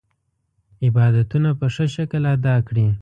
عبادتونه په ښه شکل ادا کړي.